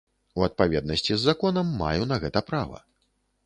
У адпаведнасці з законам, маю на гэта права.